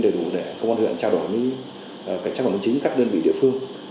thông tin đầy đủ để công an huyện trao đổi với cảnh sát quản lý chính các đơn vị địa phương